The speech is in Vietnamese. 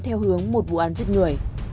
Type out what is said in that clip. theo hướng một vụ án giết người